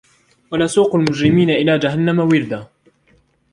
ونسوق المجرمين إلى جهنم وردا